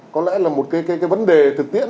có lẽ là một cái vấn đề thực tiễn